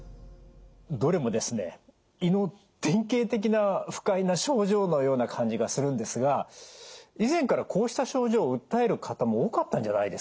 どれもですね胃の典型的な不快な症状のような感じがするんですが以前からこうした症状を訴える方も多かったんじゃないですか？